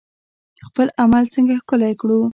خپل عمل څنګه ښکلی کړو؟